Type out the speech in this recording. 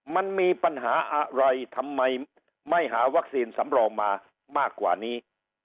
มันมีปัญหาอะไรทำไมไม่หาวัคซีนสำรองมามากกว่านี้